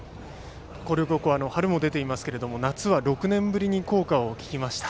広陵高校、春も出ていますが夏は６年ぶりに校歌を聴きました。